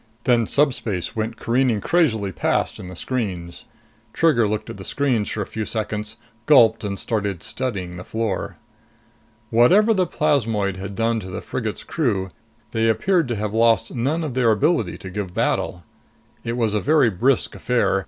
Then subspace went careening crazily past in the screens. Trigger looked at the screens for a few seconds, gulped and started studying the floor. Whatever the plasmoid had done to the frigate's crew, they appeared to have lost none of their ability to give battle. It was a very brisk affair.